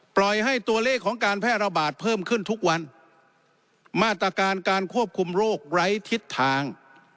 ปล่อยให้ตัวเลขของการแพร่ระบาดเพิ่มขึ้นทุกวันมาตรการการควบคุมโรคไร้ทิศทาง